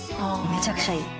めちゃくちゃいい。